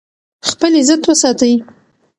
خپل عزت وساتئ.